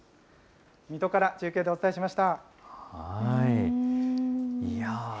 水戸から中継でお伝えしました。